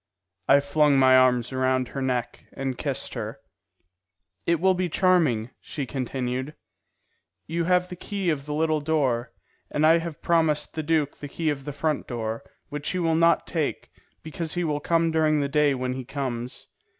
I flung my arms around her neck and kissed her. "It will be charming," she continued. "You have the key of the little door, and I have promised the duke the key of the front door, which he will not take, because he will come during the day when he comes.